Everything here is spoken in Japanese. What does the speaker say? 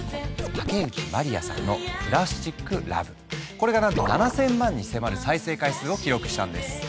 これがなんと７，０００万に迫る再生回数を記録したんです。